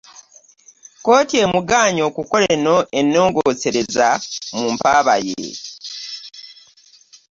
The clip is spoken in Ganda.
Kkooti emugaanye okukola ennongoosereza mu mpaaba ye.